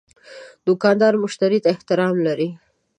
دوکاندار مشتری ته احترام لري.